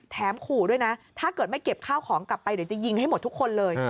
ขู่ด้วยนะถ้าเกิดไม่เก็บข้าวของกลับไปเดี๋ยวจะยิงให้หมดทุกคนเลย